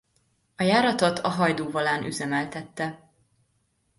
A járatot a Hajdú Volán üzemeltette.